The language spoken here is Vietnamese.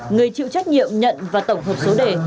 người chịu trách nhiệm nhận và tổng hợp số đề